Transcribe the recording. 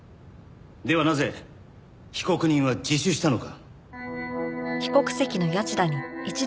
ではなぜ被告人は自首したのか？